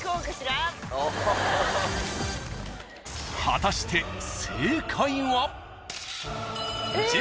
［果たして正解は］